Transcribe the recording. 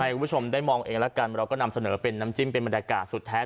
คุณผู้ชมได้มองเองแล้วกันเราก็นำเสนอเป็นน้ำจิ้มเป็นบรรยากาศสุดแท้